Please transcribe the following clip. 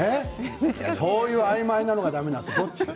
そういう、あいまいなのがだめなのよ。